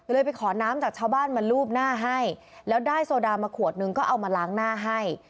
ไปขอน้ำจากชาวบ้านมาลูบหน้าให้แล้วได้โซดามาขวดนึงก็เอามาล้างหน้าให้